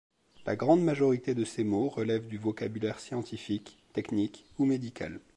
La grande majorité de ces mots relèvent du vocabulaire scientifique, technique ou médical.